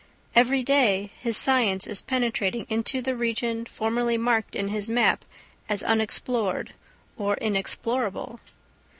Every day his science is penetrating into the region formerly marked in his map as unexplored or inexplorable.